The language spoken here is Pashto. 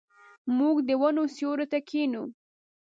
موږ د ونو سیوري ته کښینو.